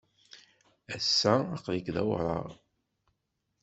Ass-a, aql-ik d awraɣ.